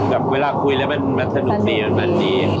แบบเวลาคุยแล้วมันสนุกทีแบบนี้